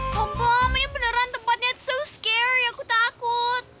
pompom ini beneran tempatnya terlalu menakutkan aku takut